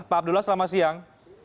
pak abdullah selamat siang